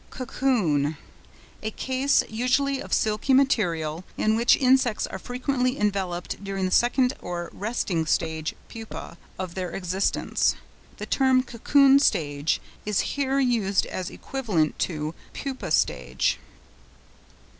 COCOON.—A case usually of silky material, in which insects are frequently enveloped during the second or resting stage (pupa) of their existence. The term "cocoon stage" is here used as equivalent to "pupa stage."